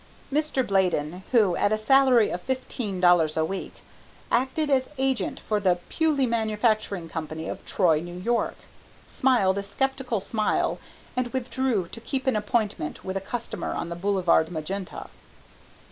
Mr. Bladen, who, at a salary of fifteen dollars a week, acted as agent for the Pewly Manufacturing Company of Troy, N.Y., smiled a sceptical smile and withdrew to keep an appointment with a customer on the Boulevard Magenta.